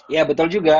iya betul juga